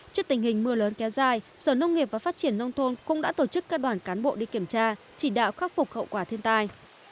trước tình hình mưa lớn kéo dài sở nông nghiệp và phát triển nông thôn cũng đã tổ chức các đoàn cán bộ đi kiểm tra chỉ đạo khắc phục hậu quả thiên tai